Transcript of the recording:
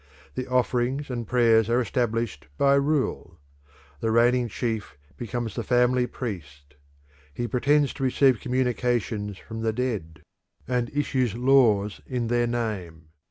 The offerings and prayers are established by rule; the reigning chief becomes the family priest; he pretends to receive communications from the dead, and issues laws in their name.